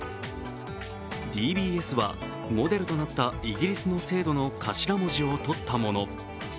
ＤＢＳはモデルとなったイギリスの制度の頭文字をとったもの。